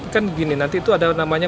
kan begini nanti itu ada namanya